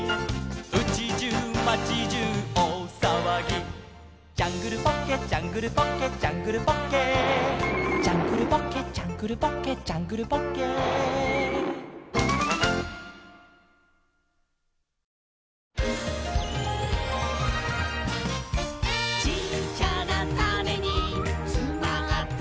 「うちじゅう町じゅうおおさわぎ」「ジャングルポッケジャングルポッケ」「ジャングルポッケ」「ジャングルポッケジャングルポッケ」「ジャングルポッケ」「ちっちゃなタネにつまってるんだ」